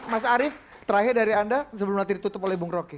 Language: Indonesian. mas arief terakhir dari anda sebelum nanti ditutup oleh bung rocky